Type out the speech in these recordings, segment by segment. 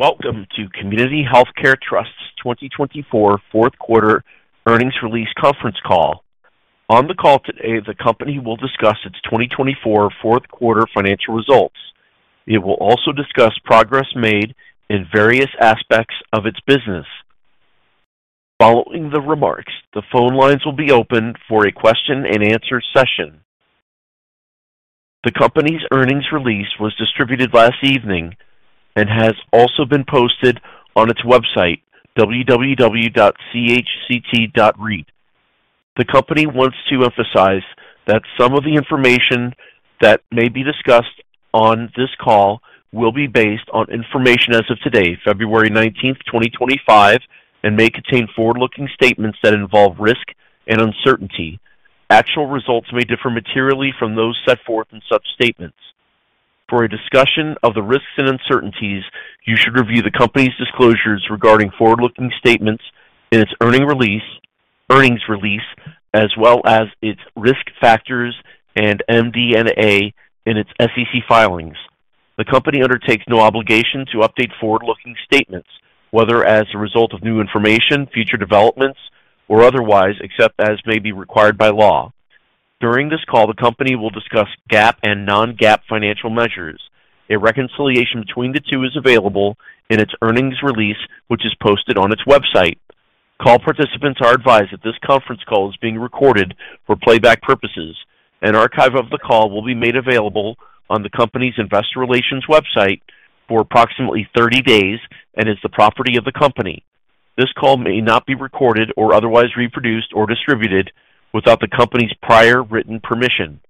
Welcome to Community Healthcare Trust's 2024 Fourth Quarter Earnings Release Conference Call. On the call today, the company will discuss its 2024 Fourth Quarter financial results. It will also discuss progress made in various aspects of its business. Following the remarks, the phone lines will be open for a question-and-answer session. The company's earnings release was distributed last evening and has also been posted on its website, www.chct.reit. The company wants to emphasize that some of the information that may be discussed on this call will be based on information as of today, February 19, 2025, and may contain forward-looking statements that involve risk and uncertainty. Actual results may differ materially from those set forth in such statements. For a discussion of the risks and uncertainties, you should review the company's disclosures regarding forward-looking statements in its earnings release, as well as its risk factors and MD&A in its SEC filings. The company undertakes no obligation to update forward-looking statements, whether as a result of new information, future developments, or otherwise, except as may be required by law. During this call, the company will discuss GAAP and non-GAAP financial measures. A reconciliation between the two is available in its earnings release, which is posted on its website. Call participants are advised that this conference call is being recorded for playback purposes. An archive of the call will be made available on the company's investor relations website for approximately 30 days and is the property of the company. This call may not be recorded or otherwise reproduced or distributed without the company's prior written permission.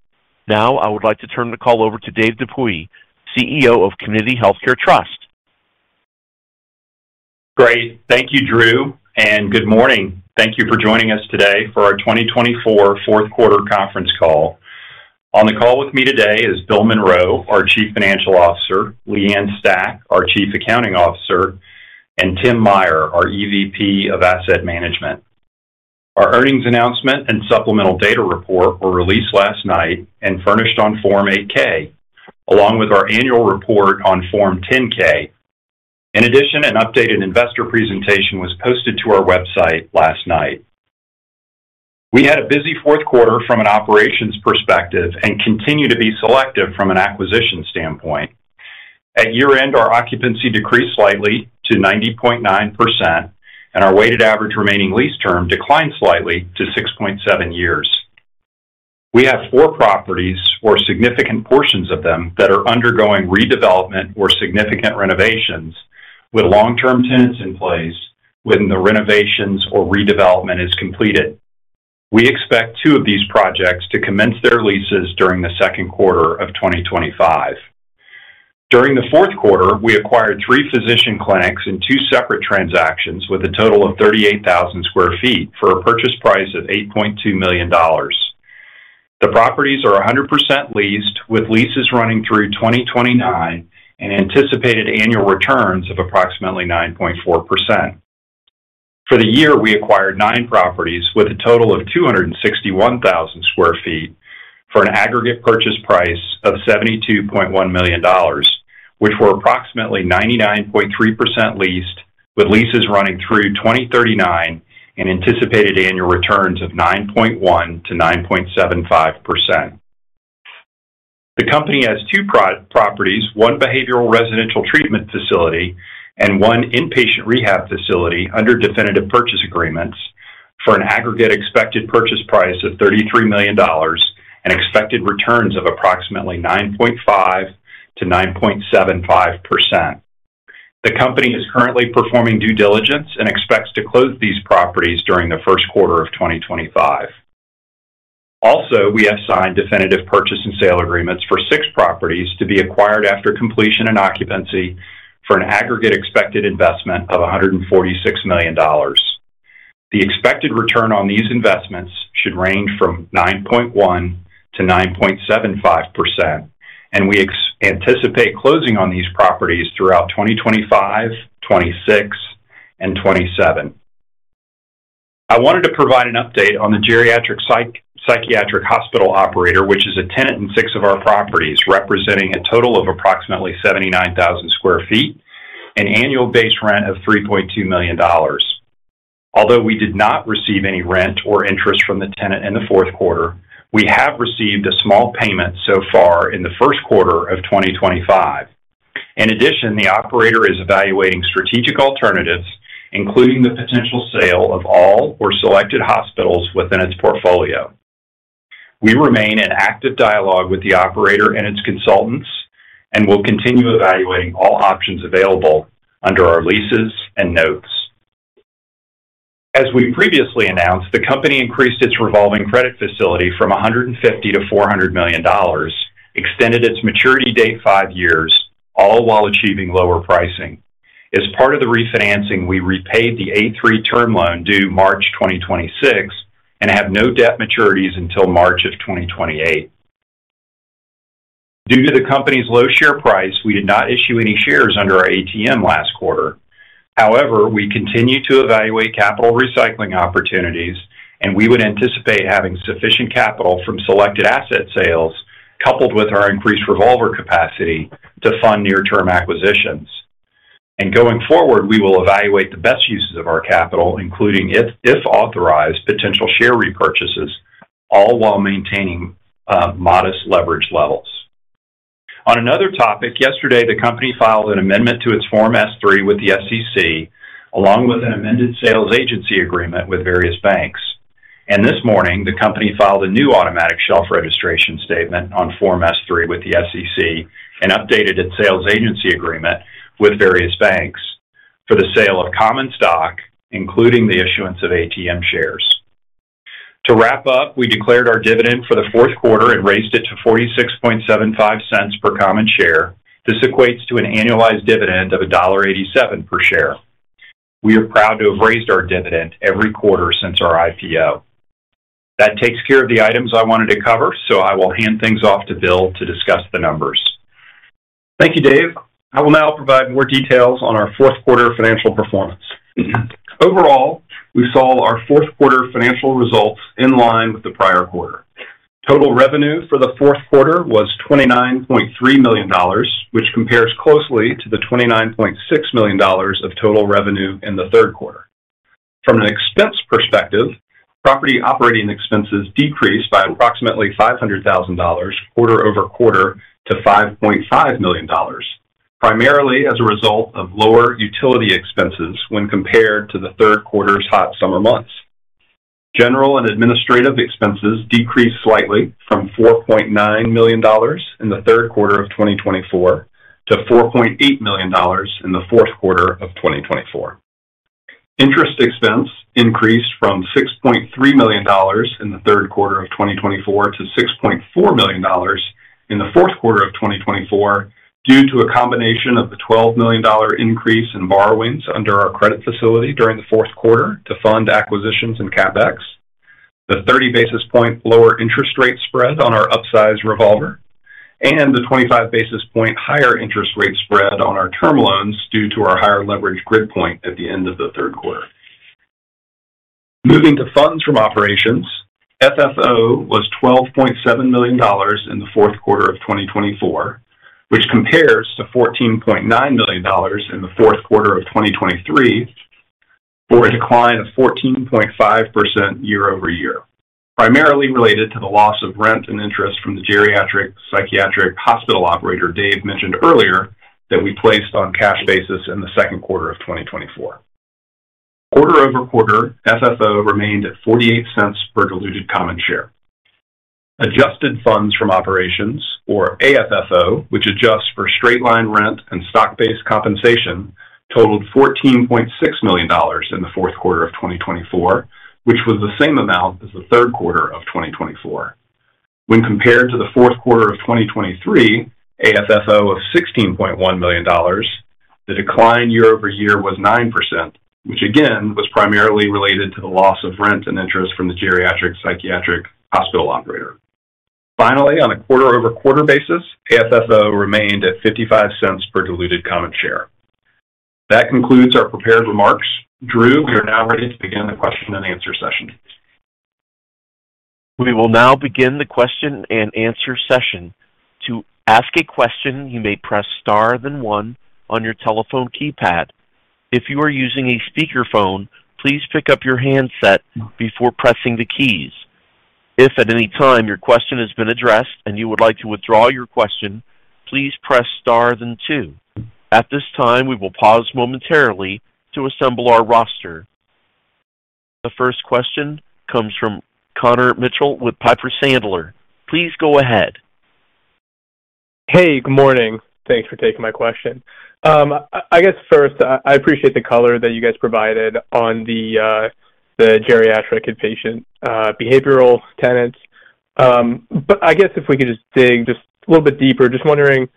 Now, I would like to turn the call over to Dave Dupuy, CEO of Community Healthcare Trust. Great. Thank you, Drew, and good morning. Thank you for joining us today for our 2024 Fourth Quarter Conference Call. On the call with me today is Bill Monroe, our Chief Financial Officer, Leigh Ann Stach, our Chief Accounting Officer, and Tim Meyer, our EVP of Asset Management. Our earnings announcement and supplemental data report were released last night and furnished on Form 8-K, along with our annual report on Form 10-K. In addition, an updated investor presentation was posted to our website last night. We had a busy fourth quarter from an operations perspective and continue to be selective from an acquisition standpoint. At year-end, our occupancy decreased slightly to 90.9%, and our weighted average remaining lease term declined slightly to 6.7 years. We have four properties, or significant portions of them, that are undergoing redevelopment or significant renovations, with long-term tenants in place when the renovations or redevelopment is completed. We expect two of these projects to commence their leases during the second quarter of 2025. During the fourth quarter, we acquired three physician clinics in two separate transactions with a total of 38,000 sq ft for a purchase price of $8.2 million. The properties are 100% leased, with leases running through 2029 and anticipated annual returns of approximately 9.4%. For the year, we acquired nine properties with a total of 261,000 sq ft for an aggregate purchase price of $72.1 million, which were approximately 99.3% leased, with leases running through 2039 and anticipated annual returns of 9.1% to 9.75%. The company has two properties, one behavioral residential treatment facility and one inpatient rehab facility under definitive purchase agreements, for an aggregate expected purchase price of $33 million and expected returns of approximately 9.5%-9.75%. The company is currently performing due diligence and expects to close these properties during the first quarter of 2025. Also, we have signed definitive purchase and sale agreements for six properties to be acquired after completion and occupancy for an aggregate expected investment of $146 million. The expected return on these investments should range from 9.1%-9.75%, and we anticipate closing on these properties throughout 2025, 2026, and 2027. I wanted to provide an update on the geriatric psychiatric hospital operator, which is a tenant in six of our properties, representing a total of approximately 79,000 sq ft and annual base rent of $3.2 million. Although we did not receive any rent or interest from the tenant in the fourth quarter, we have received a small payment so far in the first quarter of 2025. In addition, the operator is evaluating strategic alternatives, including the potential sale of all or selected hospitals within its portfolio. We remain in active dialogue with the operator and its consultants and will continue evaluating all options available under our leases and notes. As we previously announced, the company increased its revolving credit facility from $150 million to $400 million, extended its maturity date five years, all while achieving lower pricing. As part of the refinancing, we repaid the 2023 term loan due March 2026 and have no debt maturities until March of 2028. Due to the company's low share price, we did not issue any shares under our ATM last quarter. However, we continue to evaluate capital recycling opportunities, and we would anticipate having sufficient capital from selected asset sales, coupled with our increased revolver capacity, to fund near-term acquisitions. And going forward, we will evaluate the best uses of our capital, including if authorized, potential share repurchases, all while maintaining modest leverage levels. On another topic, yesterday, the company filed an amendment to its Form S-3 with the SEC, along with an amended sales agency agreement with various banks. And this morning, the company filed a new automatic shelf registration statement on Form S-3 with the SEC and updated its sales agency agreement with various banks for the sale of common stock, including the issuance of ATM shares. To wrap up, we declared our dividend for the fourth quarter and raised it to $0.4675 per common share. This equates to an annualized dividend of $1.87 per share. We are proud to have raised our dividend every quarter since our IPO. That takes care of the items I wanted to cover, so I will hand things off to Bill to discuss the numbers. Thank you, Dave. I will now provide more details on our fourth quarter financial performance. Overall, we saw our fourth quarter financial results in line with the prior quarter. Total revenue for the fourth quarter was $29.3 million, which compares closely to the $29.6 million of total revenue in the third quarter. From an expense perspective, property operating expenses decreased by approximately $500,000 quarter-over-quarter to $5.5 million, primarily as a result of lower utility expenses when compared to the third quarter's hot summer months. General and administrative expenses decreased slightly from $4.9 million in the third quarter of 2024 to $4.8 million in the fourth quarter of 2024. Interest expense increased from $6.3 million in the third quarter of 2024 to $6.4 million in the fourth quarter of 2024 due to a combination of the $12 million increase in borrowings under our credit facility during the fourth quarter to fund acquisitions and CapEx, the 30 basis point lower interest rate spread on our upsize revolver, and the 25 basis point higher interest rate spread on our term loans due to our higher leverage grid point at the end of the third quarter. Moving to Funds From Operations, FFO was $12.7 million in the fourth quarter of 2024, which compares to $14.9 million in the fourth quarter of 2023 for a decline of 14.5% year-over-year, primarily related to the loss of rent and interest from the geriatric psychiatric hospital operator Dave mentioned earlier that we placed on cash basis in the second quarter of 2024. Quarter-over-quarter, FFO remained at $0.48 per diluted common share. Adjusted Funds From Operations, or AFFO, which adjusts for straight-line rent and stock-based compensation, totaled $14.6 million in the fourth quarter of 2024, which was the same amount as the third quarter of 2024. When compared to the fourth quarter of 2023, AFFO of $16.1 million, the decline year over year was 9%, which again was primarily related to the loss of rent and interest from the geriatric psychiatric hospital operator. Finally, on a quarter over quarter basis, AFFO remained at $0.55 per diluted common share. That concludes our prepared remarks. Drew, we are now ready to begin the question and answer session. We will now begin the question and answer session. To ask a question, you may press star then one on your telephone keypad. If you are using a speakerphone, please pick up your handset before pressing the keys. If at any time your question has been addressed and you would like to withdraw your question, please press star then two. At this time, we will pause momentarily to assemble our roster. The first question comes from Connor Mitchell with Piper Sandler. Please go ahead. Hey, good morning. Thanks for taking my question. I guess first, I appreciate the color that you guys provided on the geriatric and inpatient behavioral tenants. But I guess if we could just dig just a little bit deeper, just wondering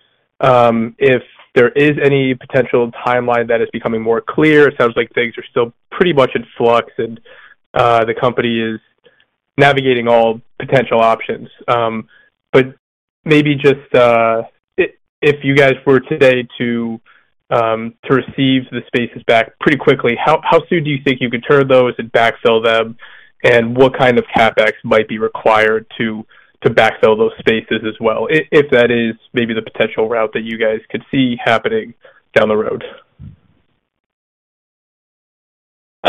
if there is any potential timeline that is becoming more clear? It sounds like things are still pretty much in flux, and the company is navigating all potential options. But maybe just if you guys were today to receive the spaces back pretty quickly, how soon do you think you could turn those and backfill them, and what kind of CapEx might be required to backfill those spaces as well, if that is maybe the potential route that you guys could see happening down the road?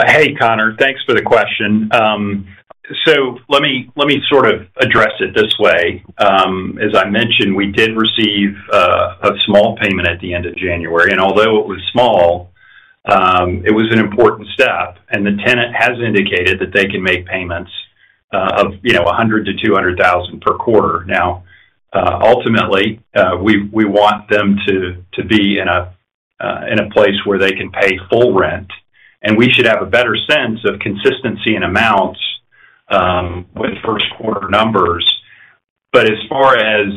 Hey, Connor. Thanks for the question. So let me sort of address it this way. As I mentioned, we did receive a small payment at the end of January. And although it was small, it was an important step. And the tenant has indicated that they can make payments of $100,000-$200,000 per quarter. Now, ultimately, we want them to be in a place where they can pay full rent. And we should have a better sense of consistency in amounts with first quarter numbers. But as far as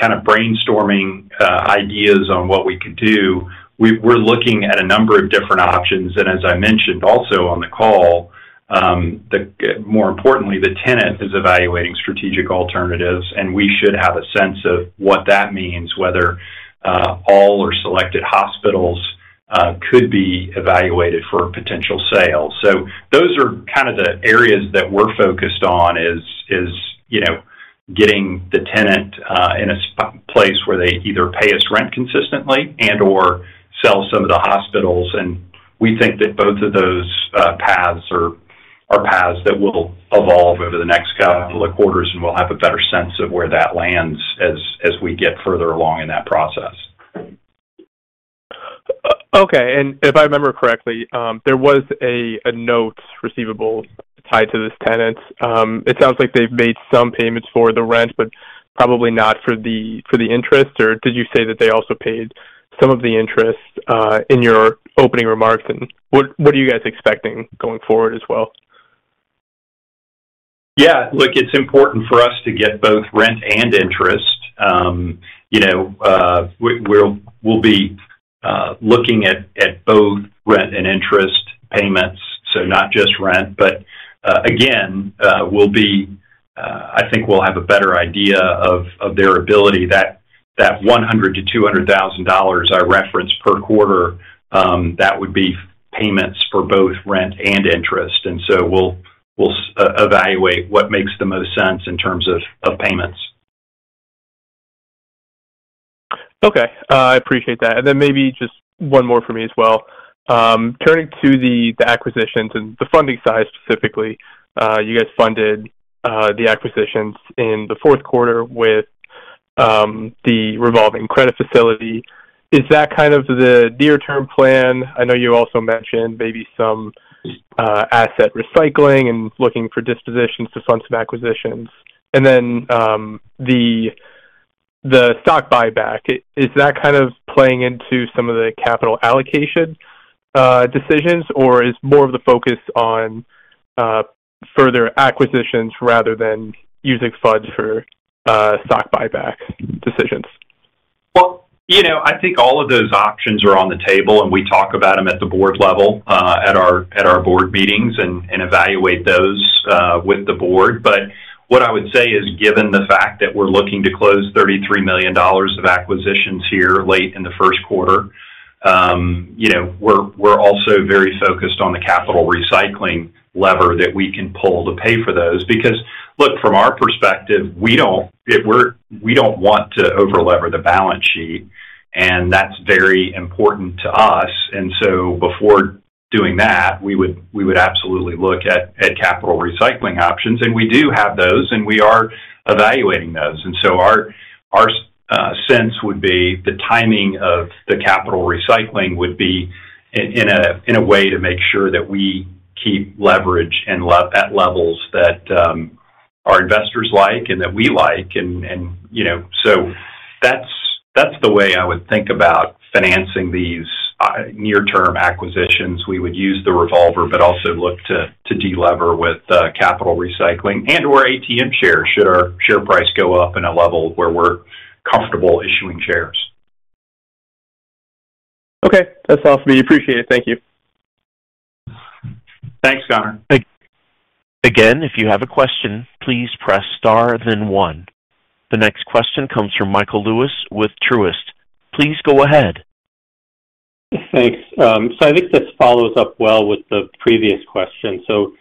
kind of brainstorming ideas on what we could do, we're looking at a number of different options. And as I mentioned also on the call, more importantly, the tenant is evaluating strategic alternatives, and we should have a sense of what that means, whether all or selected hospitals could be evaluated for potential sales. So those are kind of the areas that we're focused on is getting the tenant in a place where they either pay us rent consistently and/or sell some of the hospitals. And we think that both of those paths are paths that will evolve over the next couple of quarters, and we'll have a better sense of where that lands as we get further along in that process. Okay. And if I remember correctly, there was a note receivable tied to this tenant. It sounds like they've made some payments for the rent, but probably not for the interest. Or did you say that they also paid some of the interest in your opening remarks? And what are you guys expecting going forward as well? Yeah. Look, it's important for us to get both rent and interest. We'll be looking at both rent and interest payments, so not just rent. But again, I think we'll have a better idea of their ability. That $100,000-$200,000 I referenced per quarter, that would be payments for both rent and interest. And so we'll evaluate what makes the most sense in terms of payments. Okay. I appreciate that. And then maybe just one more for me as well. Turning to the acquisitions and the funding side specifically, you guys funded the acquisitions in the fourth quarter with the revolving credit facility. Is that kind of the near-term plan? I know you also mentioned maybe some asset recycling and looking for dispositions to fund some acquisitions. And then the stock buyback, is that kind of playing into some of the capital allocation decisions, or is more of the focus on further acquisitions rather than using funds for stock buyback decisions? Well, I think all of those options are on the table, and we talk about them at the board level at our board meetings and evaluate those with the board. But what I would say is, given the fact that we're looking to close $33 million of acquisitions here late in the first quarter, we're also very focused on the capital recycling lever that we can pull to pay for those. Because look, from our perspective, we don't want to over-lever the balance sheet, and that's very important to us. And so before doing that, we would absolutely look at capital recycling options. And we do have those, and we are evaluating those. And so our sense would be the timing of the capital recycling would be in a way to make sure that we keep leverage at levels that our investors like and that we like. That's the way I would think about financing these near-term acquisitions. We would use the revolver, but also look to deliver with capital recycling and/or ATM shares should our share price go up in a level where we're comfortable issuing shares. Okay. That's all for me. Appreciate it. Thank you. Thanks, Connor. Thank you. Again, if you have a question, please press star then one. The next question comes from Michael Lewis with Truist. Please go ahead. Thanks. So I think this follows up well with the previous question. So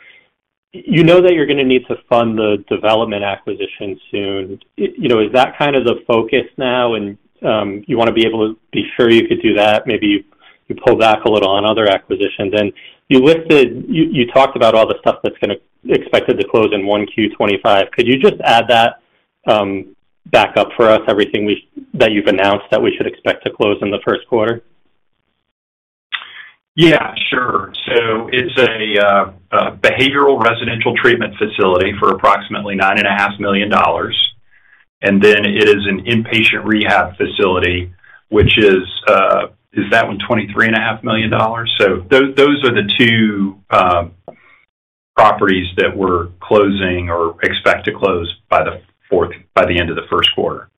you know that you're going to need to fund the development acquisition soon. Is that kind of the focus now? And you want to be able to be sure you could do that? Maybe you pull back a little on other acquisitions. And you talked about all the stuff that's expected to close in Q1 2025. Could you just add that up for us, everything that you've announced that we should expect to close in the first quarter? Yeah, sure. So it's a behavioral residential treatment facility for approximately $9.5 million. And then it is an inpatient rehab facility, which is that one $23.5 million? So those are the two properties that we're closing or expect to close by the end of the first quarter.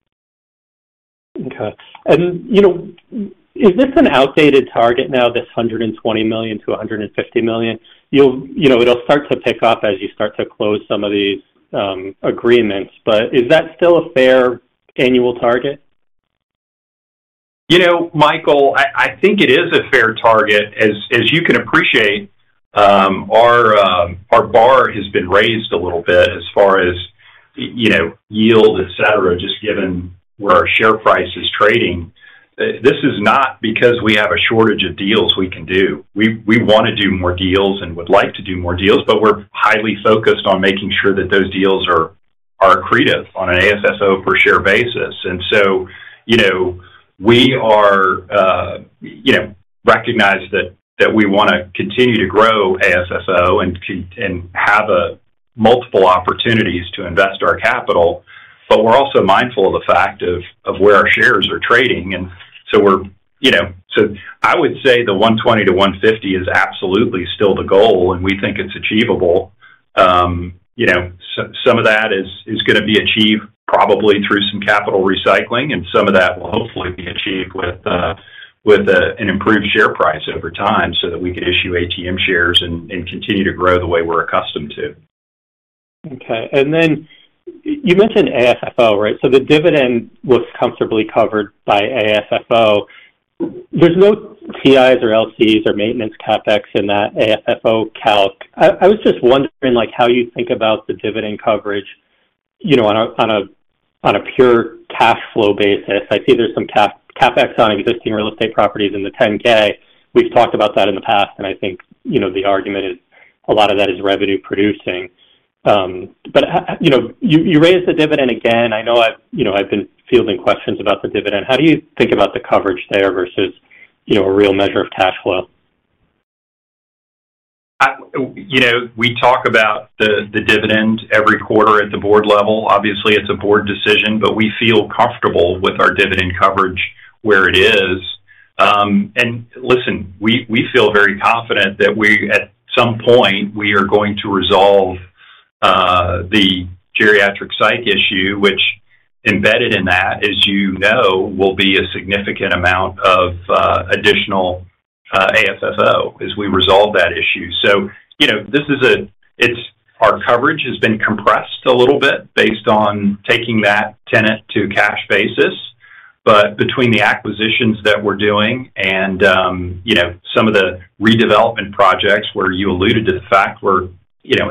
Okay. And is this an outdated target now, this $120 million-$150 million? It'll start to pick up as you start to close some of these agreements. But is that still a fair annual target? Michael, I think it is a fair target. As you can appreciate, our bar has been raised a little bit as far as yield, etc., just given where our share price is trading. This is not because we have a shortage of deals we can do. We want to do more deals and would like to do more deals, but we're highly focused on making sure that those deals are accretive on an AFFO per share basis. And so we recognize that we want to continue to grow AFFO and have multiple opportunities to invest our capital. But we're also mindful of the fact of where our shares are trading. And so I would say the $120-$150 is absolutely still the goal, and we think it's achievable. Some of that is going to be achieved probably through some capital recycling, and some of that will hopefully be achieved with an improved share price over time so that we can issue ATM shares and continue to grow the way we're accustomed to. Okay. And then you mentioned AFFO, right? So the dividend was comfortably covered by AFFO. There's no TIs or LCs or maintenance CapEx in that AFFO calc. I was just wondering how you think about the dividend coverage on a pure cash flow basis. I see there's some CapEx on existing real estate properties in the 10-K. We've talked about that in the past, and I think the argument is a lot of that is revenue-producing. But you raised the dividend again. I know I've been fielding questions about the dividend. How do you think about the coverage there versus a real measure of cash flow? We talk about the dividend every quarter at the board level. Obviously, it's a board decision, but we feel comfortable with our dividend coverage where it is. And listen, we feel very confident that at some point, we are going to resolve the geriatric psych issue, which embedded in that, as you know, will be a significant amount of additional AFFO as we resolve that issue. So this is our coverage has been compressed a little bit based on taking that tenant to cash basis. But between the acquisitions that we're doing and some of the redevelopment projects where you alluded to the fact we're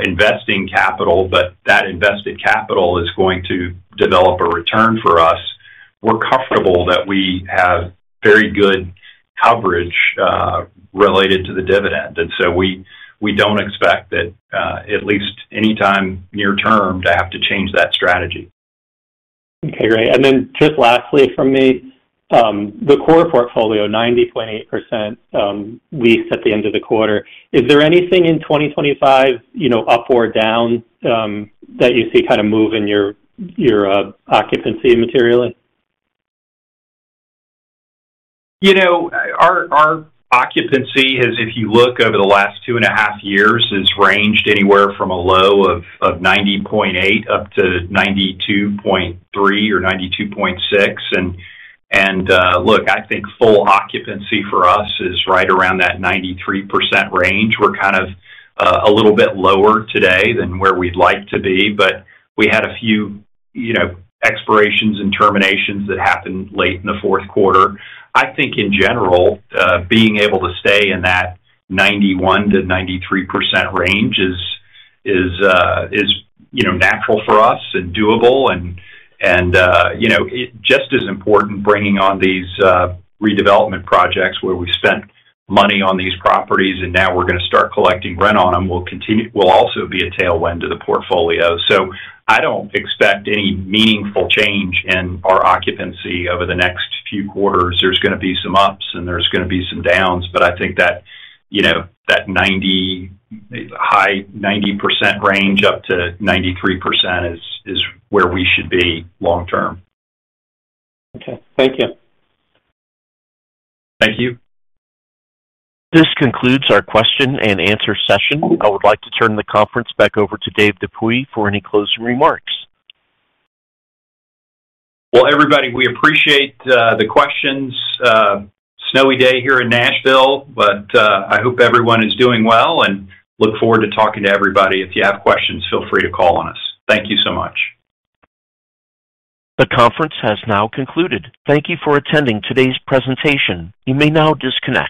investing capital, but that invested capital is going to develop a return for us, we're comfortable that we have very good coverage related to the dividend. And so we don't expect that at least anytime near term to have to change that strategy. Okay. Great. And then just lastly from me, the core portfolio, 90.8% leased at the end of the quarter. Is there anything in 2025 up or down that you see kind of move in your occupancy materially? Our occupancy, if you look over the last 2.5 years, has ranged anywhere from a low of 90.8% up to 92.3% or 92.6%. And look, I think full occupancy for us is right around that 93% range. We're kind of a little bit lower today than where we'd like to be. But we had a few expirations and terminations that happened late in the fourth quarter. I think in general, being able to stay in that 91% to 93% range is natural for us and doable. And just as important, bringing on these redevelopment projects where we spent money on these properties and now we're going to start collecting rent on them will also be a tailwind to the portfolio. So I don't expect any meaningful change in our occupancy over the next few quarters. There's going to be some ups, and there's going to be some downs. But I think that 90% range up to 93% is where we should be long term. Okay. Thank you. Thank you. This concludes our question and answer session. I would like to turn the conference back over to Dave Dupuy for any closing remarks. Everybody, we appreciate the questions. Snowy day here in Nashville, but I hope everyone is doing well and look forward to talking to everybody. If you have questions, feel free to call on us. Thank you so much. The conference has now concluded. Thank you for attending today's presentation. You may now disconnect.